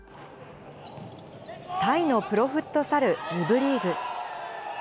タイのプロフットサル２部リーグ。